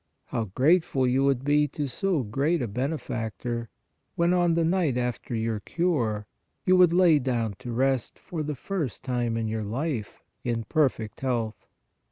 How grateful you would be to so great a benefactor, when on the night after your cure, you would lay down to rest for the first time in your life in perfect health